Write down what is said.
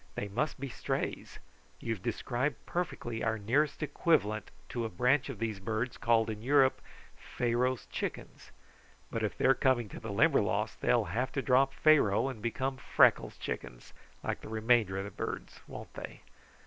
They must be strays. You have described perfectly our nearest equivalent to a branch of these birds called in Europe Pharaoh's Chickens, but if they are coming to the Limberlost they will have to drop Pharaoh and become Freckles' Chickens, like the remainder of the birds; won't they?